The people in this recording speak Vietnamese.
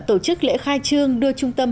tổ chức lễ khai trương đưa trung tâm